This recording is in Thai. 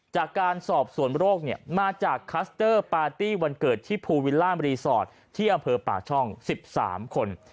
จากการสอบสวนโรคมาจากคัสเตอร์ปาร์ตี้วันเกิดที่ภูวิลล่ามรีสอร์ทที่อำเภอปากช่อง๑๓คน